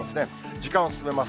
時間進めます。